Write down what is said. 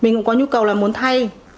mình cũng có nhu cầu là muốn thay